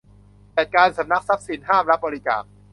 จัดการสำนักทรัพย์สิน ห้ามรับบริจาค